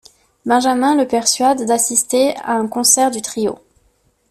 Benjamin le persuade d'assister à un concert du trio.